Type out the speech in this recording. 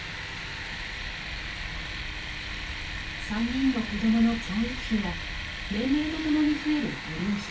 ３人の子どもの教育費や年齢とともに増える医療費。